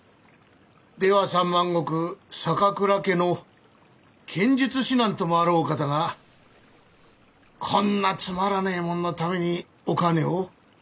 出羽３万石坂倉家の剣術指南ともあろうお方がこんなつまらねえもんのためにお兼を？